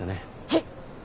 はい！